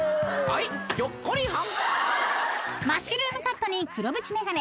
［マッシュルームカットに黒縁眼鏡］